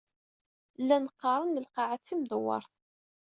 Llan qqaren Lqaɛa d timdewwert.